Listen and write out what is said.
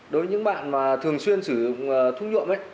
đối với những bạn mà thường xuyên sử dụng thuốc nhuộm ấy